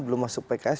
belum masuk pks